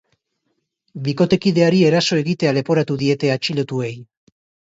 Bikotekideari eraso egitea leporatu diete atxilotuei.